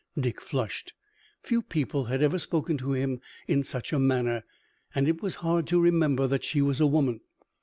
Dick flushed. Few people had ever spoken to him in such a manner, and it was hard to remember that she was a woman.